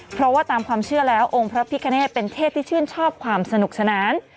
เพราะว่าตามความเชื่อแล้วองค์พระพิคเนธเป็นเทพที่ชื่นชอบความสนุกสนาน